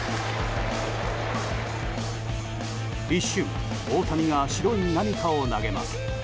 一瞬、大谷が白い何かを投げます。